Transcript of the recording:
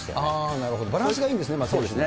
なるほど、バランスがいいんそうですね。